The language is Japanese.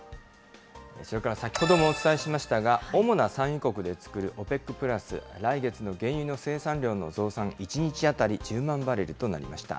先ほどもお伝えしましたが、主な産油国で作るＯＰＥＣプラス、来月の原油の生産量の増産、１日当たり１０万バレルとなりました。